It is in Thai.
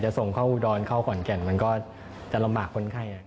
ส่งเข้าอุดรเข้าขอนแก่นมันก็จะลำบากคนไข้